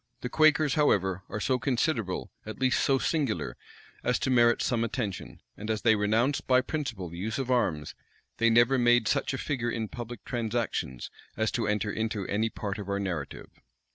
The Quakers, however, are so considerable, at least so singular, as to merit some attention; and as they renounced by principle the use of arms, they never made such a figure in public transactions as to enter into any part of our narrative.